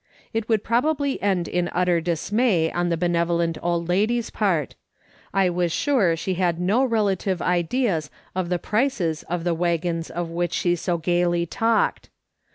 It would probably end in utter dismay on the benevolent old lady's part ; I was sure she had no relative ideas of the prices of the " waggons " of which she so gaily talked.